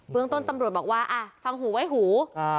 เมืองต้นตำรวจบอกว่าฟังหูไว้หู